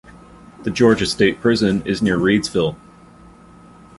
The Georgia State Prison is near Reidsville.